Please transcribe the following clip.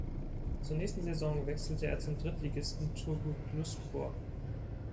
Zur nächsten Saison wechselte er zum Drittligisten Turgutluspor.